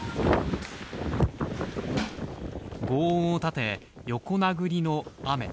ごう音を立て、横殴りの雨。